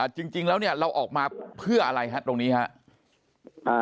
จริงแล้วเนี่ยเราออกมาเพื่ออะไรครับตรงนี้ครับ